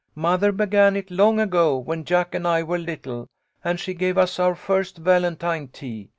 Mother began it long ago when Jack and I were little, and she gave us our first Valentine tea.